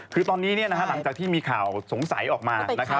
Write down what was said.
คือตอนนี้เนี่ยนะฮะหลังจากที่มีข่าวสงสัยออกมานะครับ